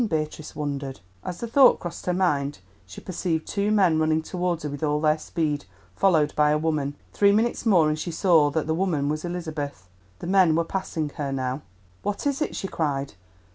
Beatrice wondered. As the thought crossed her mind, she perceived two men running towards her with all their speed, followed by a woman. Three minutes more and she saw that the woman was Elizabeth. The men were passing her now. "What is it?" she cried.